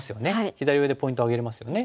左上でポイント挙げれますよね。